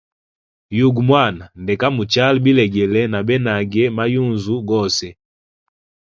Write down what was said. Yugu mwana ndeka muchala bilegele na benage ma yunzu gose.